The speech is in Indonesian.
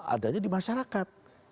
adanya di masyarakat